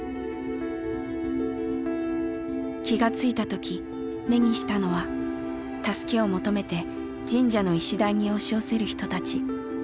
気がついた時目にしたのは助けを求めて神社の石段に押し寄せる人たち。